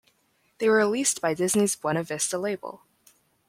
They were released by Disney's Buena Vista label.